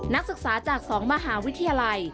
นักศึกษาจาก๒มหาวิทยาลัย